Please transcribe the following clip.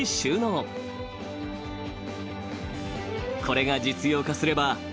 ［これが実用化すれば］